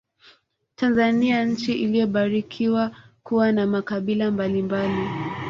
Tanzania nchi iliyobarikiwa kuwa na makabila mbalimbali